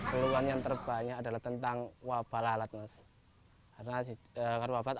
perluan yang terbanyak adalah tentang wabah lalat